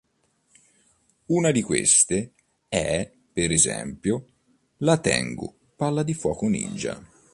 Una di queste è, per esempio, la "Tengu palla di fuoco Ninja"